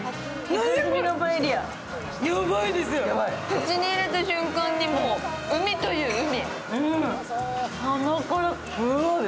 口に入れた瞬間に、もう海という海。